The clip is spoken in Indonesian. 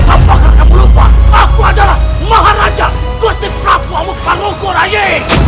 apakah kamu lupa aku adalah maharaja gusti prabu amu parvoku rayi